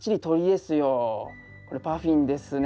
これパフィンですね。